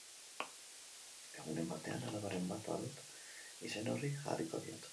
Egunen batean alabaren bat badut, izen hori jarriko diot.